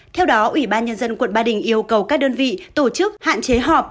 theo đó ủy ban nhân dân quận ba đình yêu cầu các đơn vị tổ chức hạn chế họp